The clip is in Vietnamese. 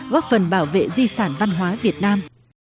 góp phần bảo vệ di sản văn hóa việt nam